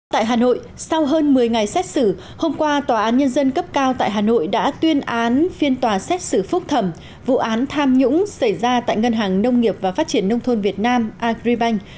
tại hà nội sau hơn một mươi ngày xét xử hôm qua tòa án nhân dân cấp cao tại hà nội đã tuyên án phiên tòa xét xử phúc thẩm vụ án tham nhũng xảy ra tại ngân hàng nông nghiệp và phát triển nông thôn việt nam agribank